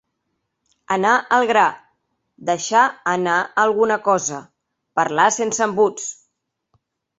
Anar al gra; deixar anar alguna cosa; parlar sense embuts.